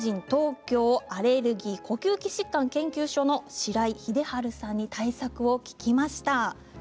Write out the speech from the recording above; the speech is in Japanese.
東京アレルギー・呼吸器疾患研究所の白井秀治さんに対策を聞きました。